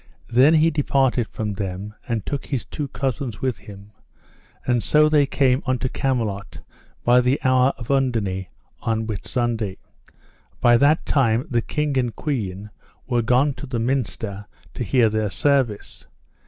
Then he departed from them and took his two cousins with him, and so they came unto Camelot by the hour of underne on Whitsunday. By that time the king and the queen were gone to the minster to hear their service.